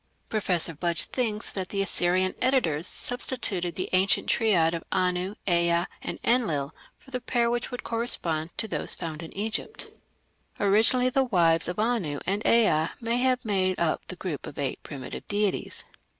Professor Budge thinks that the Assyrian editors substituted the ancient triad of Anu, Ea, and Enlil for the pair which would correspond to those found in Egypt. Originally the wives of Anu and Ea may have made up the group of eight primitive deities.